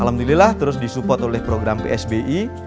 alhamdulillah terus di support oleh program psbi